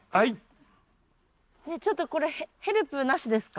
ねえちょっとこれヘルプなしですか？